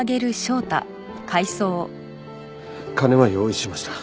金は用意しました。